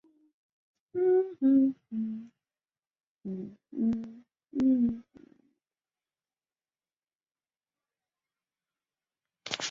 留在漠北的部落立昭礼可汗的弟弟乌希特勒为乌介可汗。